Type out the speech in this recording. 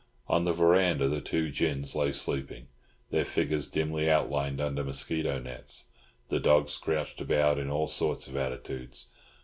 On the verandah the two gins lay sleeping, their figures dimly outlined under mosquito nets; the dogs crouched about in all sorts of attitudes.